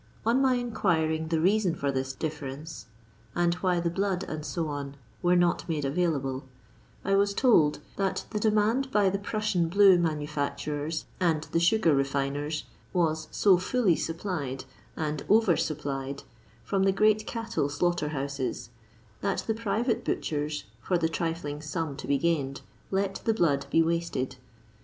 On my inquiring the reason of this difference, and why the blood, &c, were not made available, I was told that the demand by the Prussian blue manufacturers and the sugar refiners was so fully supplied, and over supplitrd, from the great cattle slaughter houses, that the private butchers, for the trifling sum to he gained, let the blood be wasted.